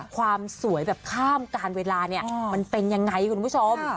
ความสวยแบบข้ามการเวลาเนี่ยมันเป็นยังไงคุณผู้ชม